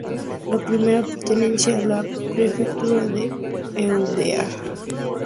La primera pertenece a la prefectura de Eubea.